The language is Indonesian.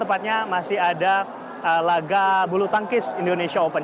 tepatnya masih ada laga bulu tangkis indonesia open